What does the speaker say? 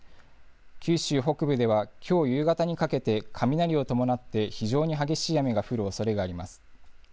九州北部では、きょう夕方にかけて、雷を伴って、非常に激しい雨が降るおそれがあります。